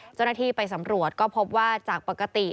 เจ้าหน้าที่ไปสำรวจก็พบว่าจากปกติ